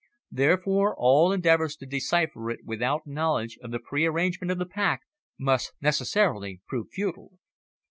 Therefore, all endeavours to decipher it without knowledge of the pre arrangement of the pack must necessarily prove futile."